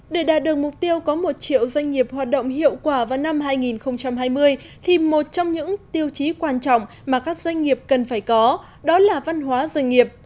để đạt được mục tiêu có một triệu doanh nghiệp hoạt động hiệu quả vào năm hai nghìn hai mươi thì một trong những tiêu chí quan trọng mà các doanh nghiệp cần phải có đó là văn hóa doanh nghiệp